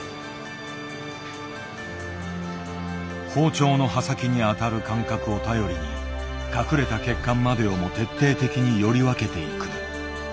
包丁の刃先に当たる感覚を頼りに隠れた血管までをも徹底的により分けていく。